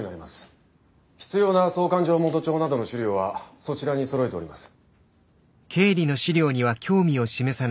必要な総勘定元帳などの資料はそちらにそろえております。